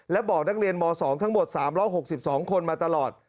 และบอกนักเรียนม๒ทั้งหมด๓๖๒คนมาตลอด